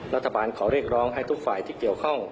ขอเรียกร้องให้ทุกฝ่ายที่เกี่ยวข้อง